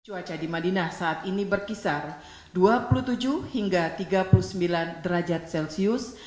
cuaca di madinah saat ini berkisar dua puluh tujuh hingga tiga puluh sembilan derajat celcius